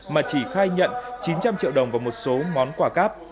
mà chỉ khai nhận chín trăm linh triệu đồng và một số món quà cáp